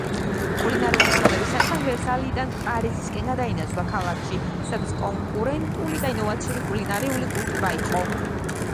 კულინარიული ხელოვნების ცენტრმა ვერსალიდან პარიზისკენ გადაინაცვლა, ქალაქში, სადაც კონკურენტული და ინოვაციური კულინარიული კულტურა იყო.